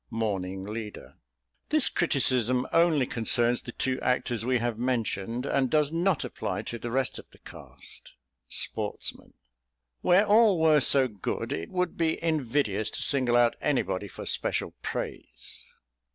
Morning Leader. "This criticism only concerns the two actors we have mentioned, and does not apply to the rest of the cast." Sportsman. "Where all were so good it would be invidious to single out anybody for special praise."